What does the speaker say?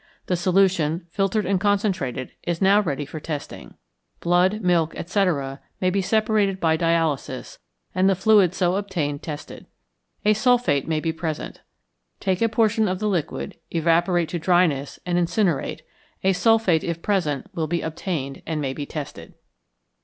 The solution, filtered and concentrated, is now ready for testing. Blood, milk, etc., may be separated by dialysis, and the fluid so obtained tested. A sulphate may be present. Take a portion of the liquid, evaporate to dryness, and incinerate; a sulphate, if present, will be obtained, and may be tested.